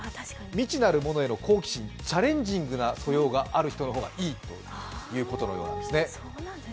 未知なるものへの好奇心チャレンジングな素養がある人の方がいいということなんですね。